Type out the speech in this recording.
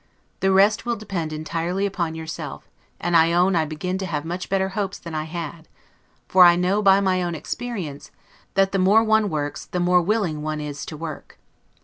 The rest will depend entirely upon yourself; and I own I begin to have much better hopes than I had; for I know, by my own experience, that the more one works, the more willing one is to work.